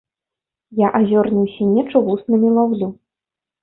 Я азёрную сінечу вуснамі лаўлю.